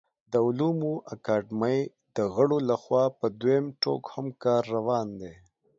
د علومو اکاډمۍ د غړو له خوا په دویم ټوک هم کار روان دی